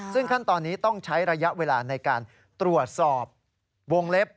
ซึ่งขั้นตอนนี้ต้องใช้ระยะเวลาในการตรวจสอบวงเล็บ